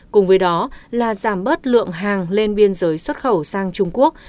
cùng với đó là giảm bớt lượng hàng lên biên giới xuất khẩu sang trung quốc